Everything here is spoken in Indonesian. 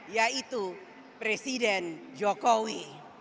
yaitu presiden jokowi